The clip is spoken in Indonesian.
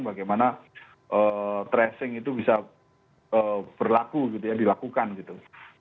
bagaimana tracing itu bisa berlaku gitu ya dilakukan gitu